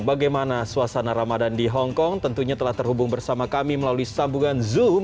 bagaimana suasana ramadan di hongkong tentunya telah terhubung bersama kami melalui sambungan zoom